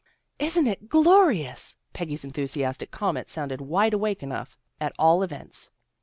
" Isn't it glorious? " Peggy's enthusiastic comment sounded wide awake enough, at all events.